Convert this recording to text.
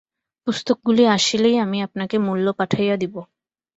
পুস্তকগুলি আসিলেই আমি আপনাকে মূল্য পাঠাইয়া দিব।